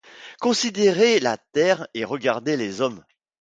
Considérez la terre et regardez les hommes.